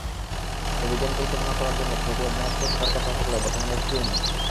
অভিযান পরিচালনার জন্য ছয়টি আগ্নেয়াস্ত্র থাকার কথা থাকলেও বর্তমানে একটিও নেই।